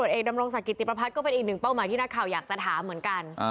เอกดำรงศักดิติประพัฒน์ก็เป็นอีกหนึ่งเป้าหมายที่นักข่าวอยากจะถามเหมือนกัน